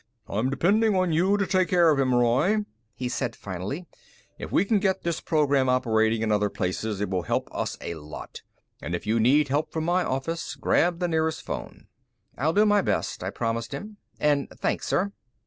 "I'm depending on you to take care of him, Roy," he said finally. "If we can get this program operating in other places, it will help us a lot. And if you need help from my office, grab the nearest phone." "I'll do my best," I promised him. "And thanks, sir."